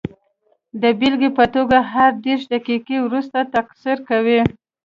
د بېلګې په توګه هر دېرش دقیقې وروسته تکثر کوي.